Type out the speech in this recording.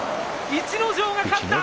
逸ノ城が勝った。